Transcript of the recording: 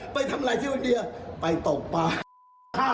ไปทำอะไรที่มันเดียไปตกปลา